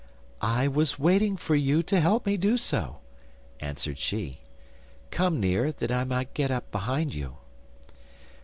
'I was waiting for you to help me do so,' answered she. 'Come near, that I may get up behind you.